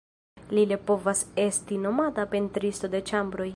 Ie li povas esti nomata pentristo de ĉambroj.